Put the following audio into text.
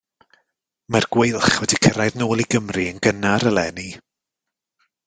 Mae'r gweilch wedi cyrraedd nôl i Gymru yn gynnar eleni.